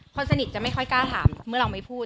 คนสนิทจะไม่ค่อยกล้าถามเมื่อเราไม่พูด